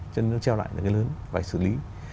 cho nên nó treo lại là cái lớn phải xử lý